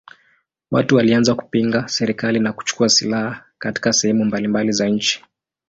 Watu walianza kupinga serikali na kuchukua silaha katika sehemu mbalimbali za nchi.